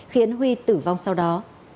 khiến huy tử vong sau đó